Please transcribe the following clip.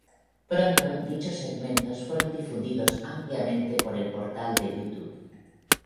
Pronto, dichos segmentos fueron difundidos ampliamente por el portal Youtube.